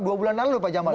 dua bulan lalu pak jamal ya